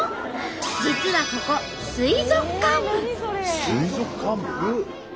実はここ水族館部？